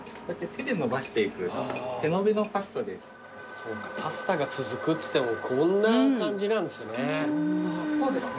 そうかパスタが続くっつってもこんな感じなんですね。